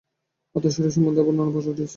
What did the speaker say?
আত্মার স্বরূপ সম্বন্ধে আবার নানা প্রশ্ন উঠিতেছে।